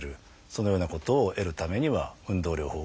そのようなことを得るためには運動療法が必要です。